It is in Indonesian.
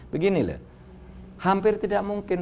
begini hampir tidak mungkin